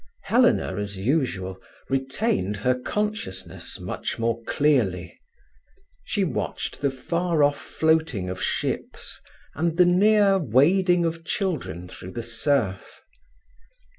Helena, as usual, retained her consciousness much more clearly. She watched the far off floating of ships, and the near wading of children through the surf.